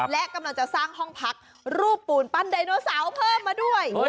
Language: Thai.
และกำลังจะสร้างห้องพักรูปปูนปั้นไดโนเสาร์เพิ่มมาด้วย